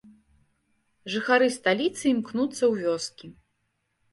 Жыхары сталіцы імкнуцца ў вёскі.